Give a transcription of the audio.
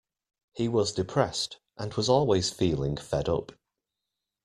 He was depressed, and was always feeling fed up.